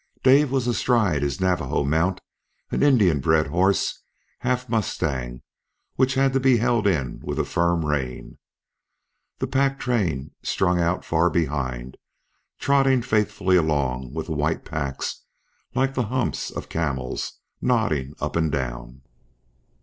Dave was astride his Navajo mount, an Indian bred horse, half mustang, which had to be held in with a firm rein. The pack train strung out far behind, trotting faithfully along, with the white packs, like the humps of camels, nodding up and down.